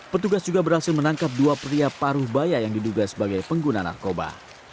petugas juga berhasil menangkap dua pria paruh baya yang diduga sebagai pengguna narkoba